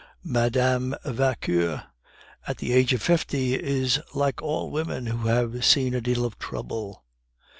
Mme. Vauquer at the age of fifty is like all women who "have seen a deal of trouble."